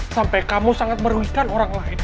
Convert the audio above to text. sampai kamu sangat merugikan orang lain